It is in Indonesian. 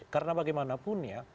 karena bagaimanapun ya